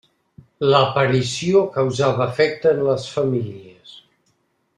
L'aparició causava efecte en les famílies.